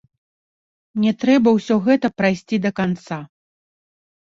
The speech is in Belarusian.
Мне трэба ўсё гэта прайсці да канца.